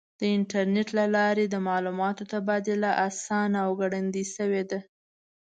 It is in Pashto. د انټرنیټ له لارې د معلوماتو تبادله آسانه او ګړندۍ شوې ده.